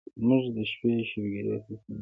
زمونږ د شپې شوګيرې هسې نه دي